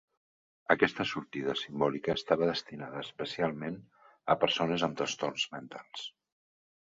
Aquesta sortida simbòlica estava destinada especialment a persones amb trastorns mentals.